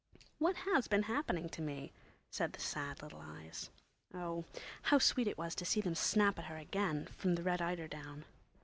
"What has been happening to me?" said the sad little eyes. Oh, how sweet it was to see them snap at her again from the red eiderdown!...